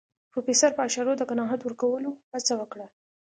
پروفيسر په اشارو د قناعت ورکولو هڅه وکړه.